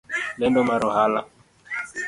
Lendo mar ohala